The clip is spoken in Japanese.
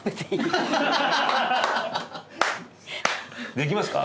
できますか？